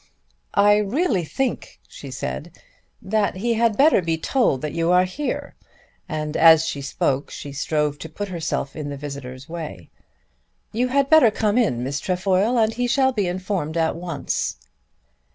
"I really think," she said, "that he had better be told that you are here," and as she spoke she strove to put herself in the visitor's way. "You had better come in, Miss Trefoil, and he shall be informed at once."